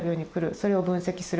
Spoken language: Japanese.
それを分析する。